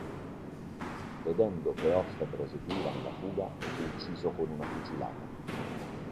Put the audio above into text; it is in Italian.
Vedendo che Hoff proseguiva nella fuga, fu ucciso con una fucilata.